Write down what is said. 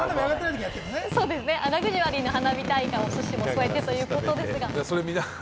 ラグジュアリーな花火大会におすしを添えてということですが。